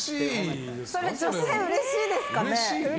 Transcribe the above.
それ、女性うれしいですかね？